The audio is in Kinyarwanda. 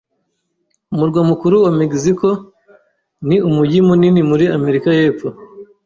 Umurwa mukuru wa Mexico ni umujyi munini muri Amerika y'Epfo.